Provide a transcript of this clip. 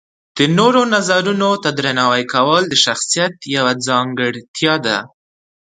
د نورو نظرونو ته درناوی کول د شخصیت یوه ځانګړتیا ده.